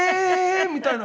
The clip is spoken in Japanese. みたいな。